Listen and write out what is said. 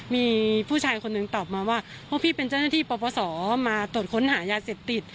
มีผู้ชายคนหนึ่งตอบมาว่าพวกพี่เป็นเจ้าหน้าที่ปปศมาตรวจค้นหายาเสพติด